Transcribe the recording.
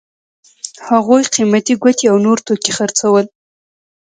هغوی قیمتي ګوتې او نور توکي خرڅول.